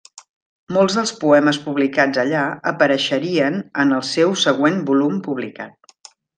Molts dels poemes publicats allà apareixerien en el seu següent volum publicat.